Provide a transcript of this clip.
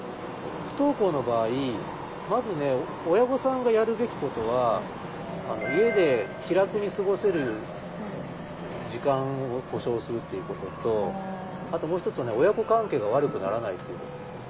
不登校の場合まずね親御さんがやるべきことは家で気楽に過ごせる時間を保障するっていうこととあともう一つは親子関係が悪くならないっていうことですね。